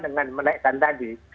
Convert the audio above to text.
dengan menaikkan tadi